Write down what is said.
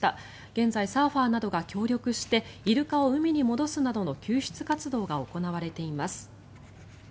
現在、サーファーなどが協力してイルカを海に戻すなどの救出活動が行われています。